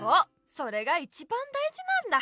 それがいちばんだいじなんだ。